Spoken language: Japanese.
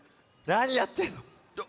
なにやってんの？